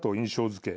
づけ